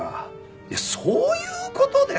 いやそういう事でさ